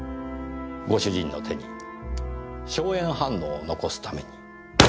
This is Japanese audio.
ご主人の手に硝煙反応を残すために。